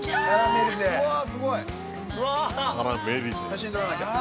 写真撮らなきゃ。